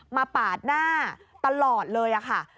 ปาดหน้าตลอดเลยค่ะ